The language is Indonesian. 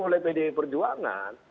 nah diundang oleh pdi perjuangan